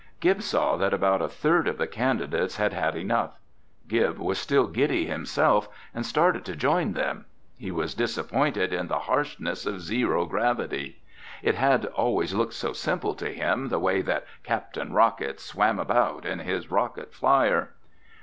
Gib saw that about a third of the candidates had had enough. Gib was still giddy himself and started to join them. He was disappointed in the harshness of "zero gravity." It had always looked so simple to him the way that Captain Rocket "swam" about in his rocket flyer.